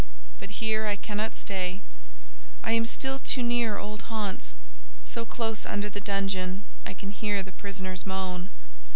But here I cannot stay; I am still too near old haunts: so close under the dungeon, I can hear the prisoners moan.